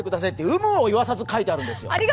有無をいわさず書いてあるんですよ。